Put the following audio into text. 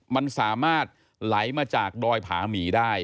มันสามารถไหลมาจากดอยผาหมีได้